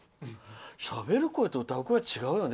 しゃべる声と歌う声は違うよね